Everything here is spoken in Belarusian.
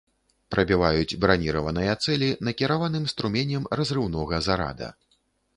Прабіваюць браніраваныя цэлі накіраваным струменем разрыўнога зарада.